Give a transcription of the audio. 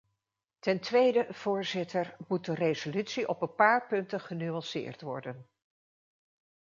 Ten tweede, voorzitter, moet de resolutie op een paar punten genuanceerd worden.